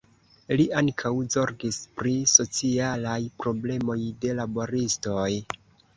Li ankaŭ zorgis pri socialaj problemoj de laboristoj.